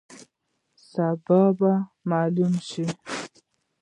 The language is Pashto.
سبا به معلومه شي.